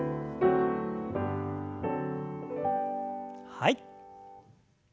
はい。